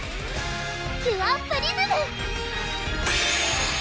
キュアプリズム！